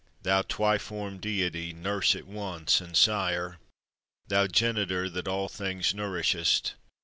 Thou twi form deity, nurse at once and sire! Thou genitor that all things nourishest!